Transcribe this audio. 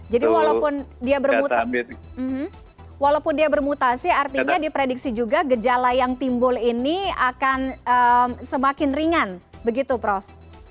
jadi walaupun dia bermutasi artinya diprediksi juga gejala yang timbul ini akan semakin ringan begitu prof